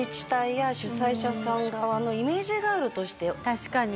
確かに。